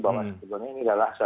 bahwa sebetulnya ini adalah